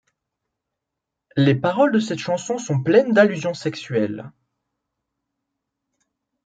Les paroles de cette chanson sont pleines d'alllusions sexuelles.